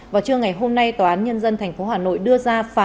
vào trưa ngày hôm nay tòa án nhân dân tp hà nội đưa ra phản án